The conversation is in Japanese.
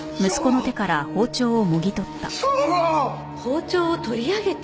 包丁を取り上げた？